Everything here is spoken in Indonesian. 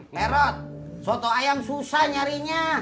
merot soto ayam susah nyarinya